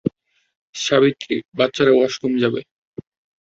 সাবিত্রী, বাচ্চারা ওয়াশরুম যাবে।